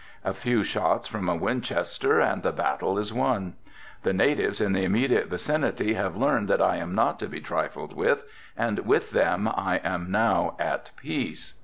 A few shots from a Winchester and the battle is won. The natives in the immediate vicinity have learned that I am not to be trifled with and with them I am now at peace.